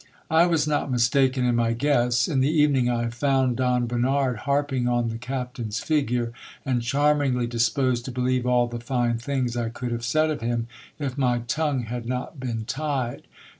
I was not mistaken in my guess. In the evening I found Don Bernard harping on the captain's figure, and charmingly disposed to believe all the fine things I could have said of him, if my tongue had not been tied.